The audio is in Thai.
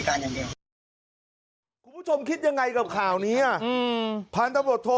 อย่างเดียวคุณผู้ชมคิดยังไงกับข่าวนี้อ่ะอืมพันธบทโท